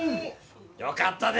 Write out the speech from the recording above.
よかったで！